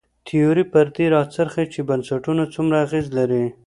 تیوري پر دې راڅرخي چې بنسټونه څومره اغېز لري.